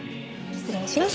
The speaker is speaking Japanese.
失礼します。